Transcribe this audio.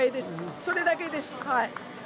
それだけです、はい。